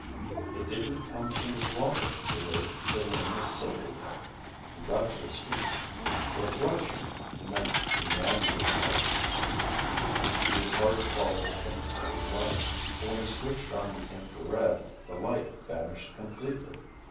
It didn't come from the water the way the luminous silver did! He got to his feet. Reflection meant man made light! It was hard to follow the faint yellow light. When he switched on the infrared, the light vanished completely.